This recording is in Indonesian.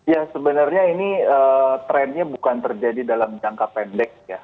ya sebenarnya ini trennya bukan terjadi dalam jangka pendek ya